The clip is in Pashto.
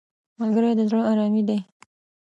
ملګری د زړه آرامي دی